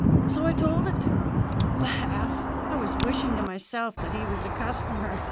"So I told it to him. Laugh! I was wishing to myself that he was a customer.